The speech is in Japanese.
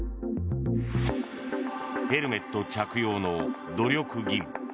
ヘルメット着用の努力義務。